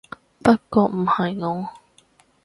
不過唔係我